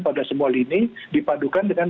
pada semua lini dipadukan dengan